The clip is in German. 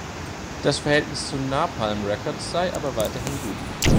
Das Verhältnis zu Napalm Records sei aber weiterhin gut.